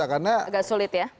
agak sulit ya